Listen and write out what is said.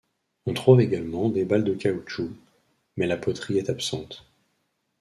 On trouve également des balles de caoutchouc, mais la poterie est absente.